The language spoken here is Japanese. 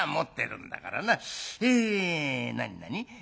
え何何？